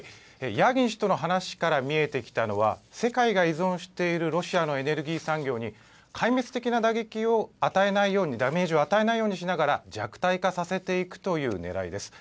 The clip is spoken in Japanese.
ヤーギン氏との話から見えてきたのは世界が依存しているロシアのエネルギー産業に壊滅的な打撃を与えないようにダメージを与えないようにしながら弱体化させていくというねらいです。